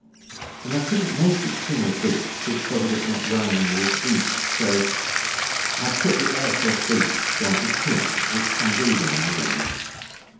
And I couldn't make it king of beasts because of it not rhyming with east, so I put the s off beasts on to king. It comes even in the end.